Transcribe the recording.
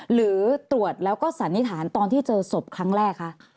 หรือตรวจแล้วก็สันนิษฐานตอนที่เจอศพครั้งแรกคะ